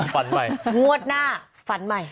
ฝันใหม่งวดหน้าฝันใหม่